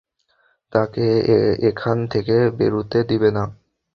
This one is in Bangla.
তাকে এখান থেকে বেরুতে দিবেনা।